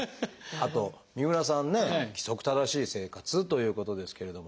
あと三浦さんね規則正しい生活ということですけれども。